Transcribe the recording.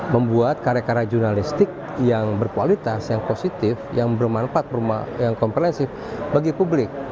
membuat karya karya jurnalistik yang berkualitas yang positif yang bermanfaat yang komprehensif bagi publik